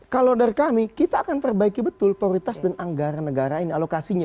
kalau dari kami kita akan perbaiki betul prioritas dan anggaran negara ini alokasinya